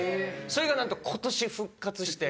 それがなんと今年復活して。